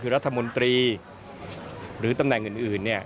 คือรัฐมนตรีหรือตำแหน่งอื่นเนี่ย